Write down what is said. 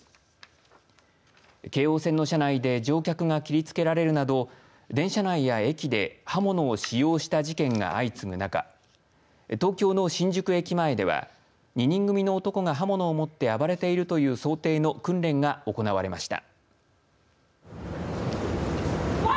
京王線の車内で乗客が切りつけられるなど電車内や駅で刃物を使用した事件が相次ぐ中東京の新宿駅前では２人組の男が刃物を持って暴れているという想定の訓練が行われました。